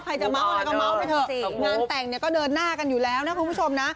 ใครจะเมาส์อะไรก็เมาส์ไปเถอะงานแต่งเนี่ยก็เดินหน้ากันอยู่แล้วนะคุณผู้ชมนะ